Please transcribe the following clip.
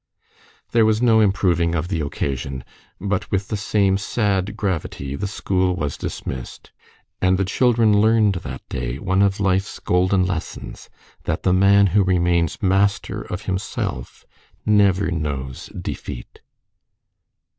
There was no improving of the occasion, but with the same sad gravity the school was dismissed; and the children learned that day one of life's golden lessons that the man who remains master of himself never knows defeat.